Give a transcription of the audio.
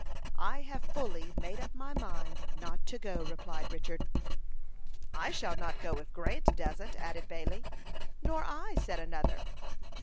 "I have fully made up my mind not to go," replied Richard. "I shall not go, if Grant doesn't," added Bailey. "Nor I," said another.